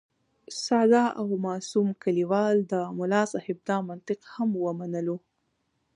ساده او معصوم کلیوال د ملا صاحب دا منطق هم ومنلو.